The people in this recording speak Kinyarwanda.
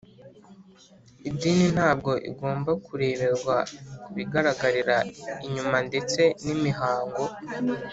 . Idini ntabwo igomba kureberwa ku bigaragarira inyuma ndetse n’imihango.